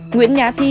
nguyễn nhã thi